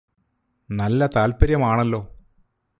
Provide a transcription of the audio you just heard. നല്ല താൽപര്യമാണല്ലോ